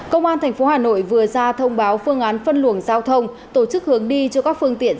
công an tp hà nội vừa ra thông báo phương án phân luồng giao thông tổ chức hướng đi cho các phương tiện